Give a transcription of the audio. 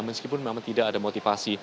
meskipun memang tidak ada motivasi